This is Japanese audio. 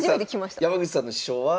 山口さんの師匠は？